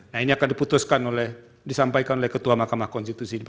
nah ini akan diputuskan oleh disampaikan oleh ketua mahkamah konstitusi